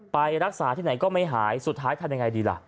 ไปรักษาที่ไหนก็ไม่หายสุดท้ายทำยังไงดีล่ะ